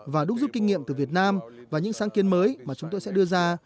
và đúc rút kinh nghiệm từ việt nam và những sáng kiến mới mà chúng tôi sẽ đưa ra